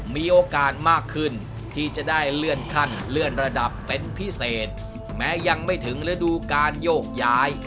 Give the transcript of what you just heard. มีโอกาสมากขึ้นที่จะได้เลื่อนขั้นเลื่อนระดับเป็นพิเศษแม้ยังไม่ถึงฤดูการโยกย้าย